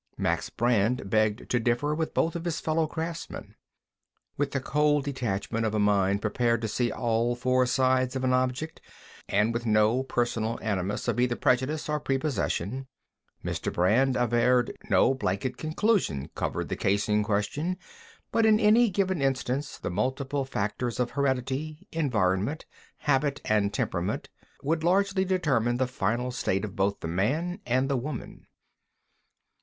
Max Brand begged to differ with both of his fellow craftsmen. With the cold detachment of a mind prepared to see all four sides of an object and with no personal animus of either prejudice or prepossession, Mr. Brand averred no blanker conclusion covered the case in question but in any given instance, the multiple factors of heredity, environment, habit, and temperament, would largely determine the final state of both the man and the woman.